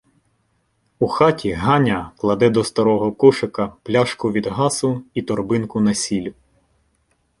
У хаті Ганя кладе до старого кошика пляшку від гасу і торбинку на сіль.